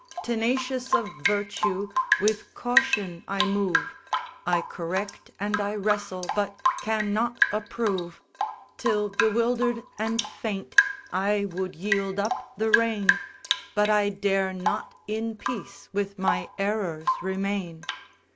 Tenacious of virtue, with caution I move; I correct, and I wrestle, but cannot approve; Till, bewilder'd and faint, I would yield up the rein, But I dare not in peace with my errors remain!